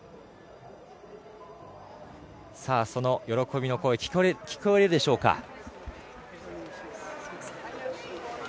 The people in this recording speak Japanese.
喜びの声、聞こえるでしょうか。